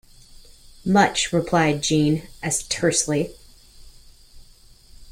Much, replied Jeanne, as tersely.